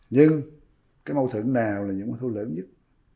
nhưng cái mâu thửng nào là những mâu thuẫn lớn nhất